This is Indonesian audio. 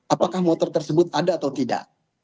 apakah motor tersebut ada atau tidak